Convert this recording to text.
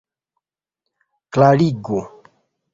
klarigo